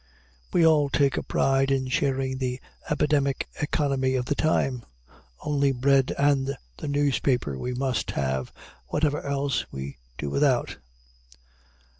We all take a pride in sharing the epidemic economy of the time. Only bread and the newspaper we must have, whatever else we do without.